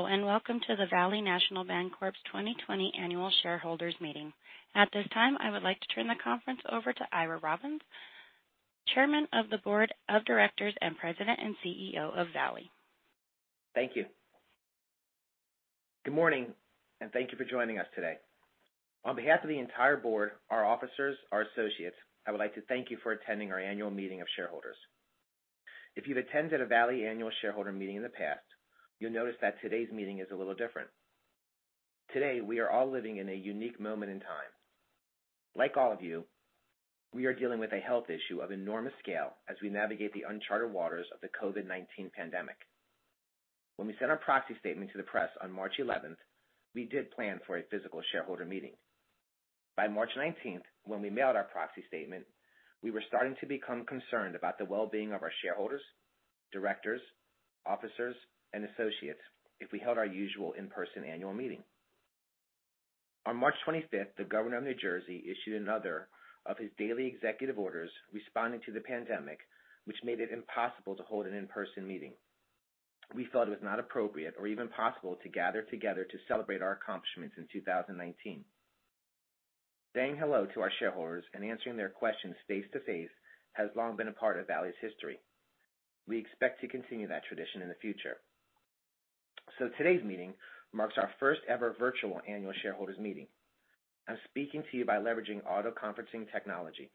Hello, and welcome to the Valley National Bancorp's 2020 annual shareholders meeting. At this time, I would like to turn the conference over to Ira Robbins, Chairman of the Board of Directors and President, and CEO of Valley. Thank you. Good morning, and thank you for joining us today. On behalf of the entire board, our officers, our associates, I would like to thank you for attending our annual meeting of shareholders. If you've attended a Valley annual shareholder meeting in the past, you'll notice that today's meeting is a little different. Today, we are all living in a unique moment in time. Like all of you, we are dealing with a health issue of enormous scale as we navigate the uncharted waters of the COVID-19 pandemic. When we sent our proxy statement to the press on March 11th, we did plan for a physical shareholder meeting. By March 19th, when we mailed our proxy statement, we were starting to become concerned about the well-being of our shareholders, directors, officers, and associates if we held our usual in-person annual meeting. On March 25th, the Governor of New Jersey issued another of his daily executive orders responding to the pandemic, which made it impossible to hold an in-person meeting. We felt it was not appropriate or even possible to gather together to celebrate our accomplishments in 2019. Saying hello to our shareholders and answering their questions face-to-face has long been a part of Valley's history. We expect to continue that tradition in the future. Today's meeting marks our first ever virtual annual shareholders meeting. I'm speaking to you by leveraging auto-conferencing technology.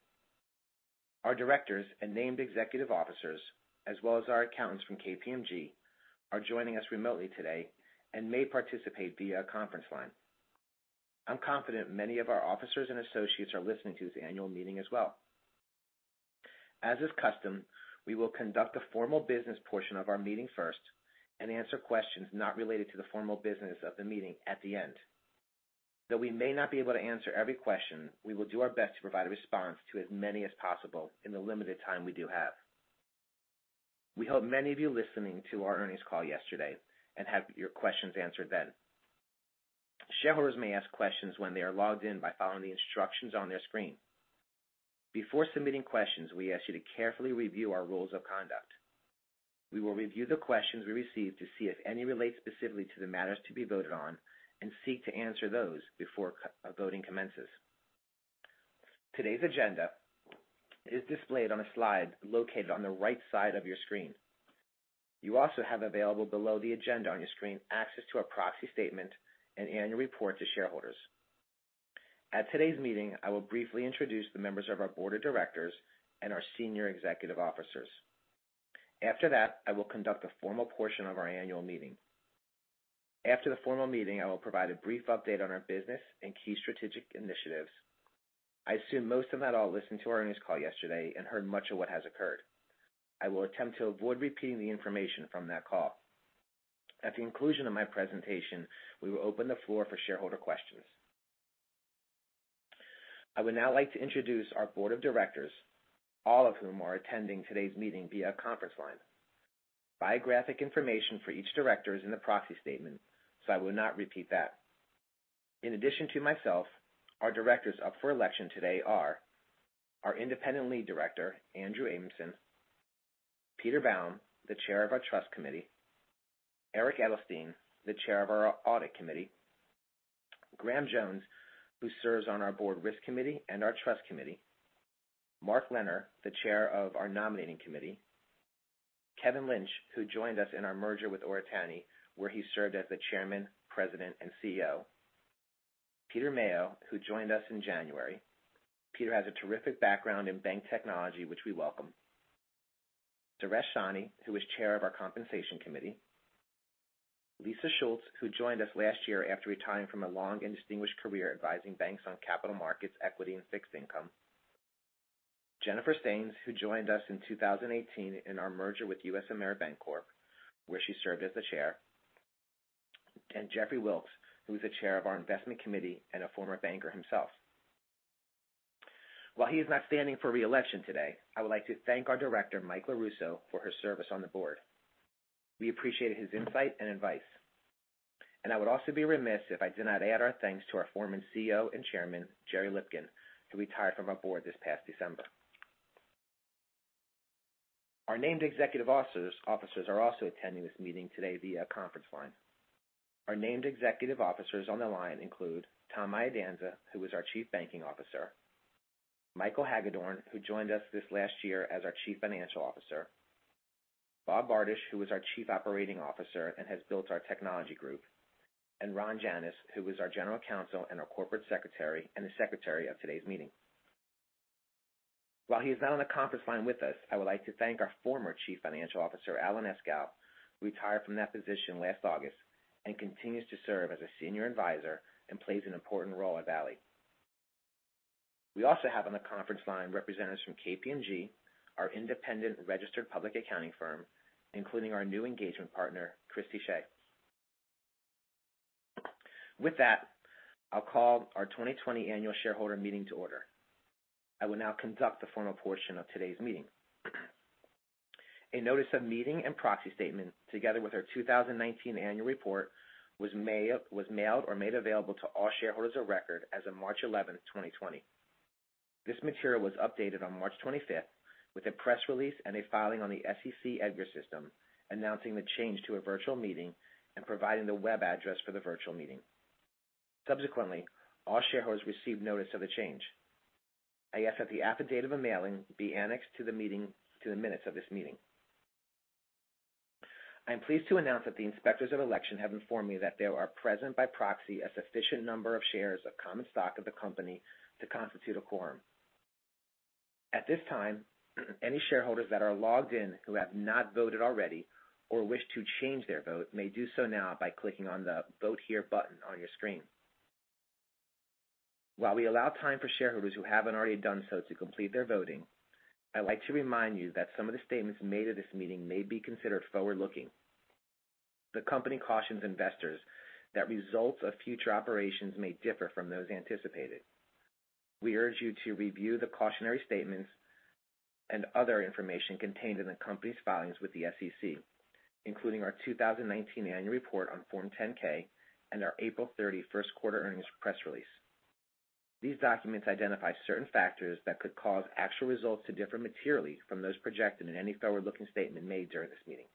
Our directors and named executive officers, as well as our accountants from KPMG, are joining us remotely today and may participate via a conference line. I'm confident many of our officers and associates are listening to the annual meeting as well. As is custom, we will conduct the formal business portion of our meeting first and answer questions not related to the formal business of the meeting at the end. Though we may not be able to answer every question, we will do our best to provide a response to as many as possible in the limited time we do have. We hope many of you listening to our earnings call yesterday and had your questions answered then. Shareholders may ask questions when they are logged in by following the instructions on their screen. Before submitting questions, we ask you to carefully review our rules of conduct. We will review the questions we receive to see if any relate specifically to the matters to be voted on and seek to answer those before voting commences. Today's agenda is displayed on a slide located on the right side of your screen. You also have available below the agenda on your screen access to our proxy statement and annual report to shareholders. At today's meeting, I will briefly introduce the members of our board of directors and our senior executive officers. After that, I will conduct the formal portion of our annual meeting. After the formal meeting, I will provide a brief update on our business and key strategic initiatives. I assume most of that all listened to our earnings call yesterday and heard much of what has occurred. I will attempt to avoid repeating the information from that call. At the conclusion of my presentation, we will open the floor for shareholder questions. I would now like to introduce our board of directors, all of whom are attending today's meeting via conference line. Biographic information for each director is in the proxy statement, so I will not repeat that. In addition to myself, our directors up for election today are our Independent Lead Director, Andrew Abramson. Peter Baum, the Chair of our Trust Committee. Eric Edelstein, the Chair of our Audit Committee. Graham Jones, who serves on our Board Risk Committee and our Trust Committee. Marc Lenner, the Chair of our Nominating Committee. Kevin Lynch, who joined us in our merger with Oritani, where he served as the Chairman, President, and CEO. Peter Maio, who joined us in January. Peter has a terrific background in bank technology, which we welcome. Suresh Sani, who is Chair of our Compensation Committee. Lisa Schultz, who joined us last year after retiring from a long and distinguished career advising banks on capital markets, equity, and fixed income. Jennifer Steans, who joined us in 2018 in our merger with USAmeriBancorp, where she served as the Chair. Jeffrey Wilks, who is the Chair of our Investment Committee and a former banker himself. While he is not standing for re-election today, I would like to thank our Director, Mike LaRusso, for his service on the board. We appreciated his insight and advice. I would also be remiss if I did not add our thanks to our former CEO and Chairman, Gerry Lipkin, who retired from our board this past December. Our named executive officers are also attending this meeting today via conference line. Our named executive officers on the line include Tom Iadanza, who is our Chief Banking Officer. Michael Hagedorn, who joined us this last year as our Chief Financial Officer. Bob Bardusch, who is our Chief Operating Officer and has built our technology group. Ron Janis, who is our General Counsel and our Corporate Secretary and the Secretary of today's meeting. While he is not on the conference line with us, I would like to thank our Former Chief Financial Officer, Alan Eskow, who retired from that position last August and continues to serve as a Senior Advisor and plays an important role at Valley. We also have on the conference line representatives from KPMG, our independent registered public accounting firm, including our new engagement partner, Christy Shea. With that, I'll call our 2020 annual shareholder meeting to order. I will now conduct the formal portion of today's meeting. A notice of meeting and proxy statement, together with our 2019 annual report, was mailed or made available to all shareholders of record as of March 11th, 2020. This material was updated on March 25th with a press release and a filing on the SEC EDGAR system announcing the change to a virtual meeting and providing the web address for the virtual meeting. Subsequently, all shareholders received notice of the change. I ask that the affidavit of a mailing be annexed to the minutes of this meeting. I am pleased to announce that the inspectors of election have informed me that there are present by proxy a sufficient number of shares of common stock of the company to constitute a quorum. At this time, any shareholders that are logged in who have not voted already or wish to change their vote may do so now by clicking on the Vote Here button on your screen. While we allow time for shareholders who haven't already done so to complete their voting, I'd like to remind you that some of the statements made at this meeting may be considered forward-looking. The company cautions investors that results of future operations may differ from those anticipated. We urge you to review the cautionary statements and other information contained in the company's filings with the SEC, including our 2019 annual report on Form 10-K and our April 30, first quarter earnings press release. These documents identify certain factors that could cause actual results to differ materially from those projected in any forward-looking statement made during this meeting.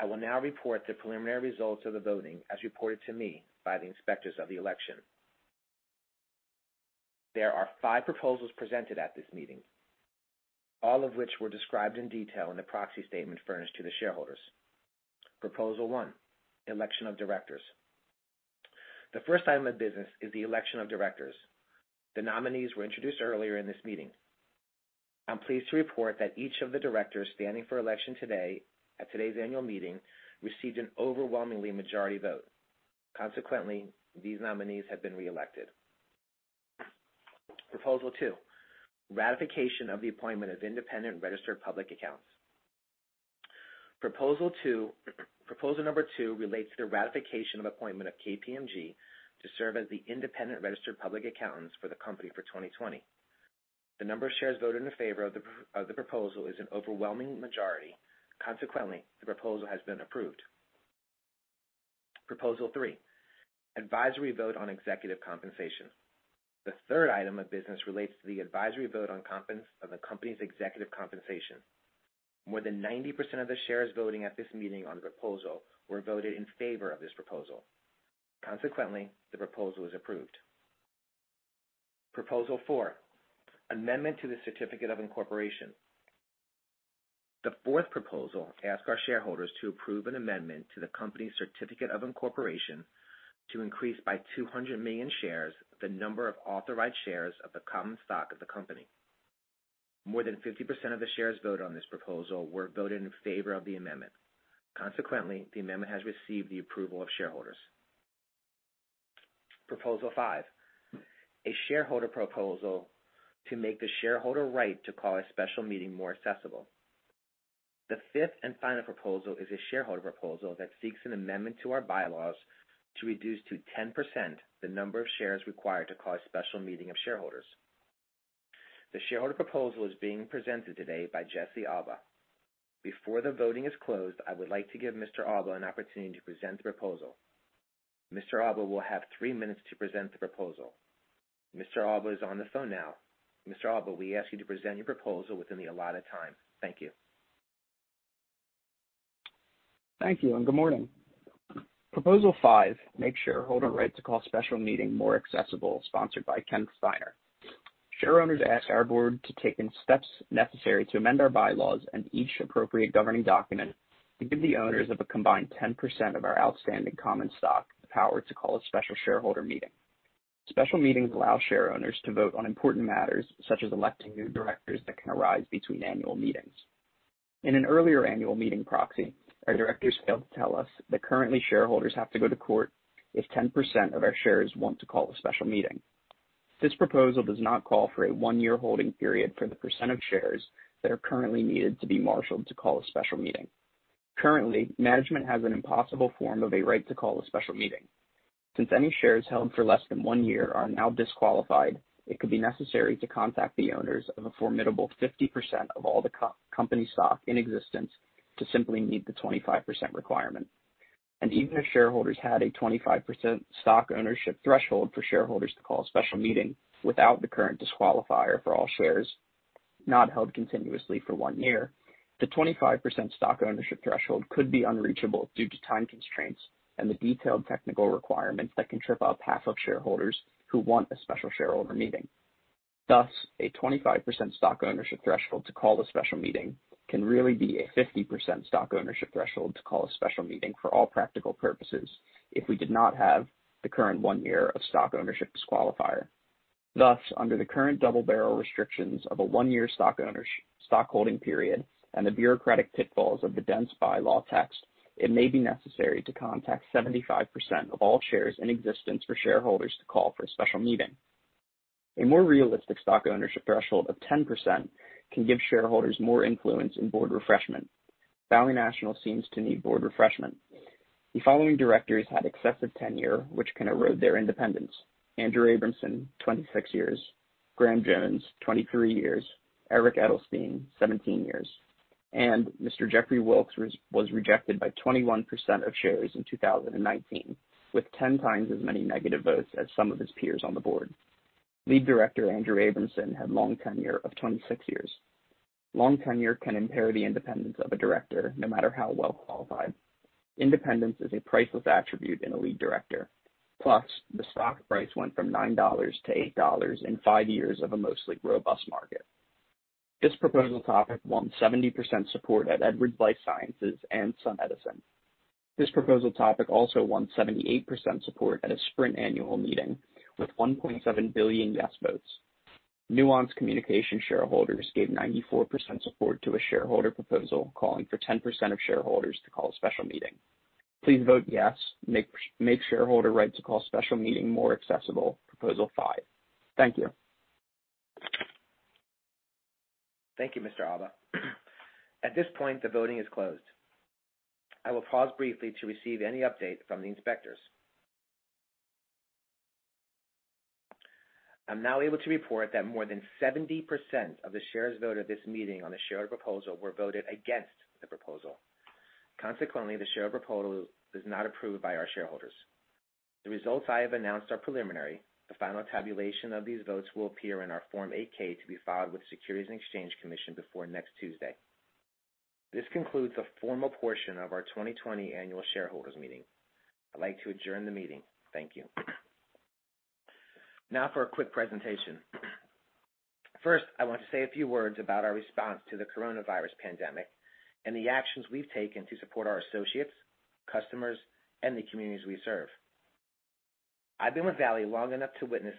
I will now report the preliminary results of the voting as reported to me by the inspectors of the election. There are five proposals presented at this meeting, all of which were described in detail in the proxy statement furnished to the shareholders. Proposal 1, election of directors. The first item of business is the election of directors. The nominees were introduced earlier in this meeting. I'm pleased to report that each of the directors standing for election today at today's annual meeting received an overwhelming majority vote. Consequently, these nominees have been reelected. Proposal 2, ratification of the appointment of independent registered public accountants. Proposal Number 2 relates to the ratification of appointment of KPMG to serve as the independent registered public accountants for the company for 2020. The number of shares voted in favor of the proposal is an overwhelming majority. Consequently, the proposal has been approved. Proposal 3, advisory vote on executive compensation. The third item of business relates to the advisory vote on the company's executive compensation. More than 90% of the shares voting at this meeting on the proposal were voted in favor of this proposal. Consequently, the proposal is approved. Proposal 4, amendment to the certificate of incorporation. The fourth proposal asks our shareholders to approve an amendment to the company's certificate of incorporation to increase by 200 million shares the number of authorized shares of the common stock of the company. More than 50% of the shares voted on this proposal were voted in favor of the amendment. Consequently, the amendment has received the approval of shareholders. Proposal 5, a shareholder proposal to make the shareholder right to call a special meeting more accessible. The fifth and final proposal is a shareholder proposal that seeks an amendment to our bylaws to reduce to 10% the number of shares required to call a special meeting of shareholders. The shareholder proposal is being presented today by Jesse Alba. Before the voting is closed, I would like to give Mr. Alba an opportunity to present the proposal. Mr. Alba will have three minutes to present the proposal. Mr. Alba is on the phone now. Mr. Alba, we ask you to present your proposal within the allotted time. Thank you. Thank you, and good morning. Proposal 5, make shareholder right to call special meeting more accessible, sponsored by Ken Steiner. Shareholders ask our Board to take steps necessary to amend our bylaws and each appropriate governing document to give the owners of a combined 10% of our outstanding common stock the power to call a special shareholder meeting. Special meetings allow shareholders to vote on important matters, such as electing new directors that can arise between annual meetings. In an earlier annual meeting proxy, our directors failed to tell us that currently shareholders have to go to court if 10% of our shares want to call a special meeting. This proposal does not call for a one-year holding period for the percent of shares that are currently needed to be marshaled to call a special meeting. Currently, management has an impossible form of a right to call a special meeting. Since any shares held for less than one year are now disqualified, it could be necessary to contact the owners of a formidable 50% of all the company stock in existence to simply meet the 25% requirement. Even if shareholders had a 25% stock ownership threshold for shareholders to call a special meeting without the current disqualifier for all shares not held continuously for one year, the 25% stock ownership threshold could be unreachable due to time constraints and the detailed technical requirements that can trip up half of shareholders who want a special shareholder meeting. A 25% stock ownership threshold to call a special meeting can really be a 50% stock ownership threshold to call a special meeting for all practical purposes if we did not have the current one year of stock ownership disqualifier. Under the current double barrel restrictions of a one-year stock holding period and the bureaucratic pitfalls of the dense bylaw text, it may be necessary to contact 75% of all shares in existence for shareholders to call for a special meeting. A more realistic stock ownership threshold of 10% can give shareholders more influence in board refreshment. Valley National seems to need board refreshment. The following directors had excessive tenure, which can erode their independence. Andrew Abramson, 26 years. Graham Jones, 23 years. Eric Edelstein, 17 years, and Mr. Jeffrey Wilks was rejected by 21% of shares in 2019, with 10 times as many negative votes as some of his peers on the board. Lead director Andrew Abramson had long tenure of 26 years. Long tenure can impair the independence of a director, no matter how well qualified. Independence is a priceless attribute in a lead director. The stock price went from $9 to $8 in five years of a mostly robust market. This proposal topic won 70% support at Edwards Lifesciences and SunEdison. This proposal topic also won 78% support at a Sprint annual meeting with 1.7 billion yes votes. Nuance Communications shareholders gave 94% support to a shareholder proposal calling for 10% of shareholders to call a special meeting. Please vote yes. Make shareholder right to call special meeting more accessible, Proposal 5. Thank you. Thank you, Mr. Alba. At this point, the voting is closed. I will pause briefly to receive any update from the inspectors. I'm now able to report that more than 70% of the shares voted this meeting on the shareholder proposal were voted against the proposal. Consequently, the shareholder proposal is not approved by our shareholders. The results I have announced are preliminary. The final tabulation of these votes will appear in our Form 8-K to be filed with the Securities and Exchange Commission before next Tuesday. This concludes the formal portion of our 2020 annual shareholders meeting. I'd like to adjourn the meeting. Thank you. Now for a quick presentation. First, I want to say a few words about our response to the coronavirus pandemic and the actions we've taken to support our associates, customers, and the communities we serve. I've been with Valley long enough to witness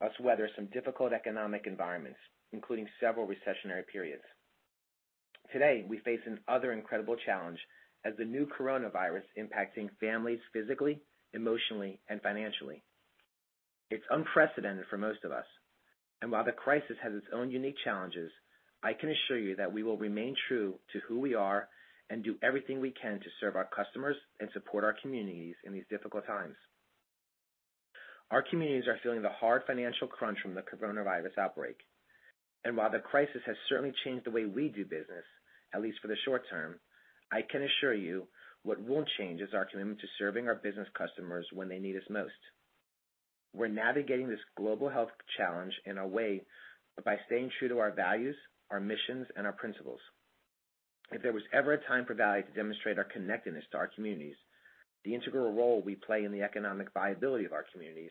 us weather some difficult economic environments, including several recessionary periods. Today, we face another incredible challenge as the new coronavirus impacting families physically, emotionally, and financially. It's unprecedented for most of us, and while the crisis has its own unique challenges, I can assure you that we will remain true to who we are and do everything we can to serve our customers and support our communities in these difficult times. Our communities are feeling the hard financial crunch from the coronavirus outbreak, and while the crisis has certainly changed the way we do business, at least for the short term, I can assure you what won't change is our commitment to serving our business customers when they need us most. We're navigating this global health challenge in a way by staying true to our values, our missions, and our principles. If there was ever a time for Valley to demonstrate our connectedness to our communities, the integral role we play in the economic viability of our communities,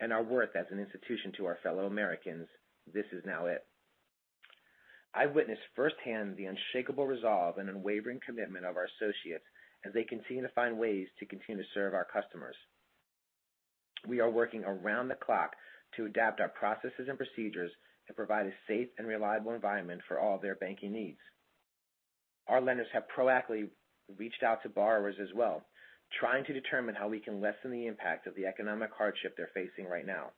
and our worth as an institution to our fellow Americans, this is now it. I've witnessed firsthand the unshakable resolve and unwavering commitment of our associates as they continue to find ways to continue to serve our customers. We are working around the clock to adapt our processes and procedures to provide a safe and reliable environment for all their banking needs. Our lenders have proactively reached out to borrowers as well, trying to determine how we can lessen the impact of the economic hardship they're facing right now.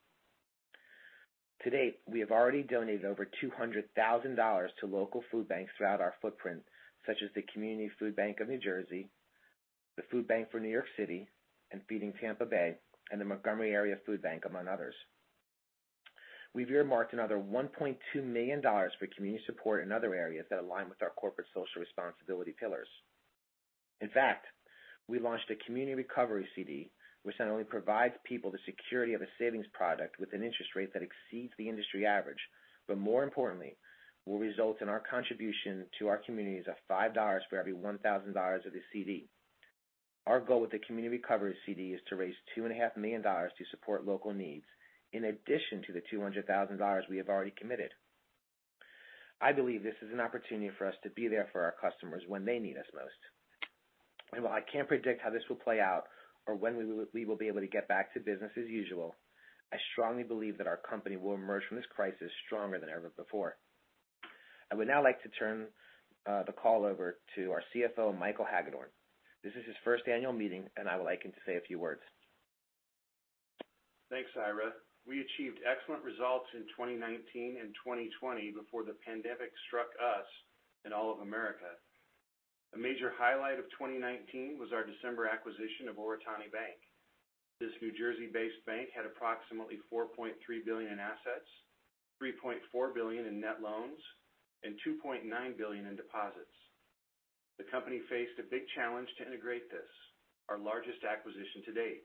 To date, we have already donated over $200,000 to local food banks throughout our footprint, such as the Community FoodBank of New Jersey, the Food Bank For New York City, and Feeding Tampa Bay, and the Montgomery Area Food Bank, among others. We've earmarked another $1.2 million for community support in other areas that align with our corporate social responsibility pillars. In fact, we launched a Community Recovery CD, which not only provides people the security of a savings product with an interest rate that exceeds the industry average, but more importantly, will result in our contribution to our communities of $5 for every $1,000 of the CD. Our goal with the Community Recovery CD is to raise $2.5 million to support local needs, in addition to the $200,000 we have already committed. I believe this is an opportunity for us to be there for our customers when they need us most. While I can't predict how this will play out or when we will be able to get back to business as usual, I strongly believe that our company will emerge from this crisis stronger than ever before. I would now like to turn the call over to our CFO, Michael Hagedorn. This is his first annual meeting, and I would like him to say a few words. Thanks, Ira. We achieved excellent results in 2019 and 2020 before the pandemic struck us and all of America. A major highlight of 2019 was our December acquisition of Oritani Bank. This New Jersey-based bank had approximately $4.3 billion in assets, $3.4 billion in net loans, and $2.9 billion in deposits. The company faced a big challenge to integrate this, our largest acquisition to date.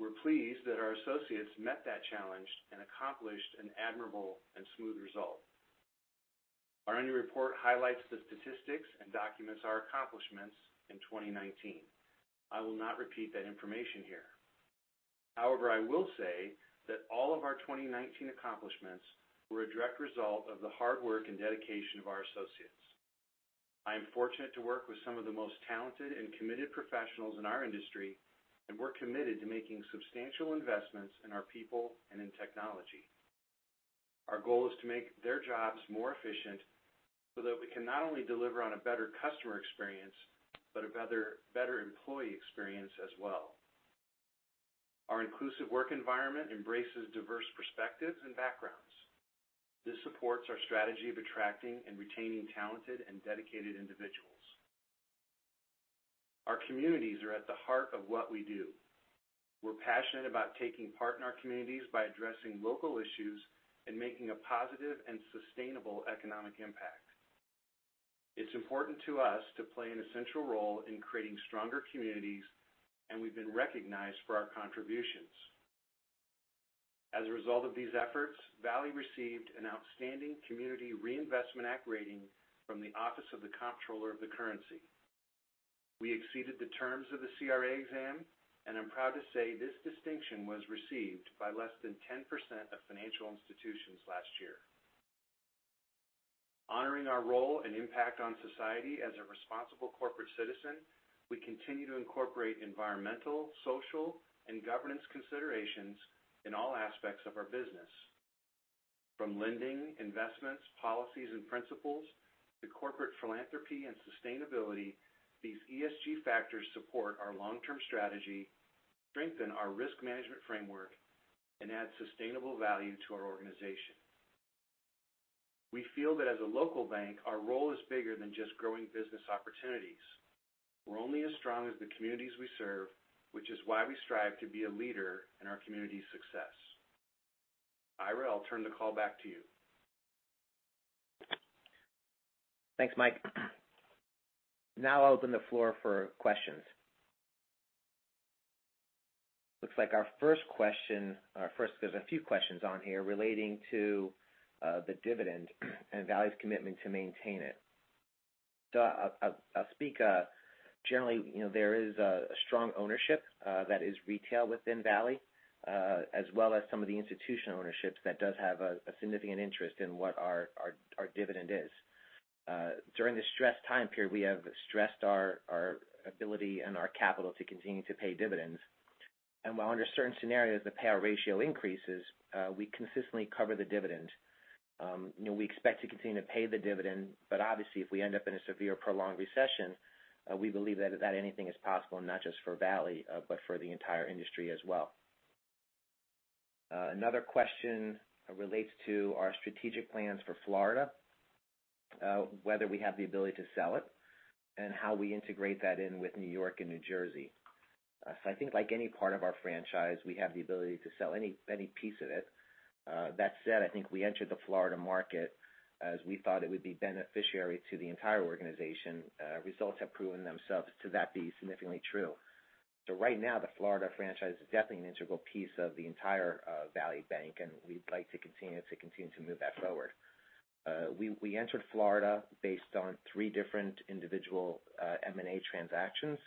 We're pleased that our associates met that challenge and accomplished an admirable and smooth result. Our annual report highlights the statistics and documents our accomplishments in 2019. I will not repeat that information here. However, I will say that all of our 2019 accomplishments were a direct result of the hard work and dedication of our associates. I am fortunate to work with some of the most talented and committed professionals in our industry, and we're committed to making substantial investments in our people and in technology. Our goal is to make their jobs more efficient so that we can not only deliver on a better customer experience, but a better employee experience as well. Our inclusive work environment embraces diverse perspectives and backgrounds. This supports our strategy of attracting and retaining talented and dedicated individuals. Our communities are at the heart of what we do. We're passionate about taking part in our communities by addressing local issues and making a positive and sustainable economic impact. It's important to us to play an essential role in creating stronger communities, and we've been recognized for our contributions. As a result of these efforts, Valley received an Outstanding Community Reinvestment Act rating from the Office of the Comptroller of the Currency. We exceeded the terms of the CRA exam, and I'm proud to say this distinction was received by less than 10% of financial institutions last year. Honoring our role and impact on society as a responsible corporate citizen, we continue to incorporate environmental, social, and governance considerations in all aspects of our business. From lending, investments, policies, and principles to corporate philanthropy and sustainability, these ESG factors support our long-term strategy, strengthen our risk management framework, and add sustainable value to our organization. We feel that as a local bank, our role is bigger than just growing business opportunities. We're only as strong as the communities we serve, which is why we strive to be a leader in our community's success. Ira, I'll turn the call back to you. Thanks, Mike. I'll open the floor for questions. There's a few questions on here relating to the dividend and Valley's commitment to maintain it. I'll speak, generally, there is a strong ownership that is retail within Valley, as well as some of the institutional ownerships that does have a significant interest in what our dividend is. During the stressed time period, we have stressed our ability and our capital to continue to pay dividends. While under certain scenarios, the payout ratio increases, we consistently cover the dividend. We expect to continue to pay the dividend, obviously, if we end up in a severe prolonged recession, we believe that anything is possible, not just for Valley, but for the entire industry as well. Another question relates to our strategic plans for Florida, whether we have the ability to sell it, and how we integrate that in with New York and New Jersey. I think like any part of our franchise, we have the ability to sell any piece of it. That said, I think we entered the Florida market as we thought it would be beneficiary to the entire organization. Results have proven themselves to that be significantly true. Right now, the Florida franchise is definitely an integral piece of the entire Valley Bank, and we'd like to continue to move that forward. We entered Florida based on three different individual M&A transactions.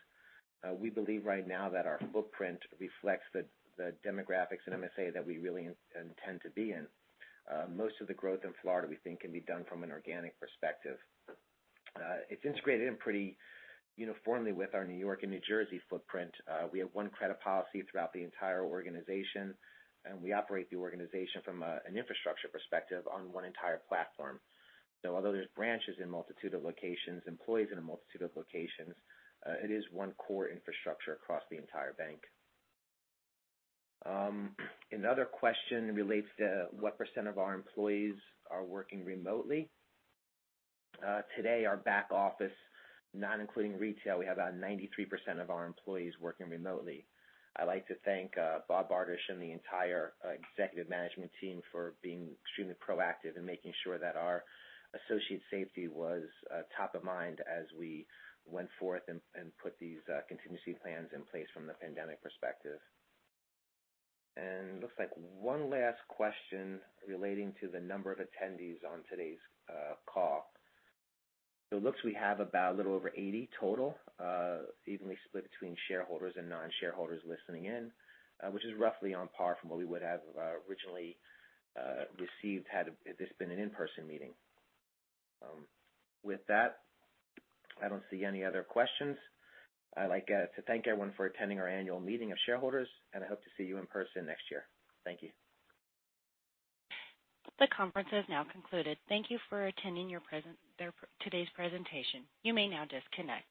We believe right now that our footprint reflects the demographics and MSA that we really intend to be in. Most of the growth in Florida we think can be done from an organic perspective. It's integrated in pretty uniformly with our New York and New Jersey footprint. We have one credit policy throughout the entire organization, and we operate the organization from an infrastructure perspective on one entire platform. Although there's branches in a multitude of locations, employees in a multitude of locations, it is one core infrastructure across the entire bank. Another question relates to what percent of our employees are working remotely? Today, our back office, not including retail, we have about 93% of our employees working remotely. I'd like to thank Bob Bardusch and the entire executive management team for being extremely proactive in making sure that our associates' safety was top of mind as we went forth and put these contingency plans in place from the pandemic perspective. Looks like one last question relating to the number of attendees on today's call. Looks we have about a little over 80 total, evenly split between shareholders and non-shareholders listening in, which is roughly on par from what we would have originally received had this been an in-person meeting. With that, I don't see any other questions. I'd like to thank everyone for attending our annual meeting of shareholders, and I hope to see you in person next year. Thank you. The conference has now concluded. Thank you for attending today's presentation. You may now disconnect.